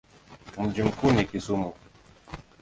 Mji mkuu ni Kisumu.